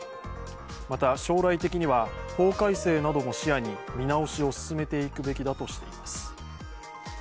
また、将来的には法改正なども視野に見直しを進めていくべきだとしています。